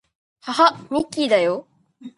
はは、ミッキーだよ